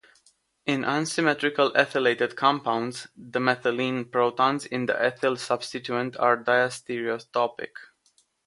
In unsymmetrical ethylated compounds, the methylene protons in the ethyl substituent are diastereotopic.